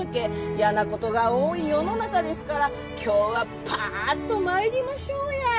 「嫌なことが多い世の中ですから今日はパッとまいりましょうや！」